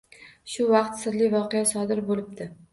Shu vaqt sirli voqea sodir bo‘libdi